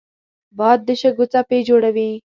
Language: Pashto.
باد د شګو څپې جوړوي